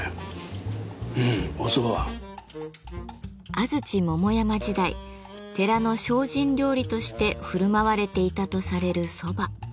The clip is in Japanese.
安土桃山時代寺の精進料理として振る舞われていたとされる蕎麦。